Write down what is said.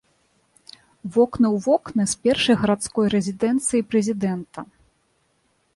Вокны ў вокны з першай гарадской рэзідэнцыяй прэзідэнта.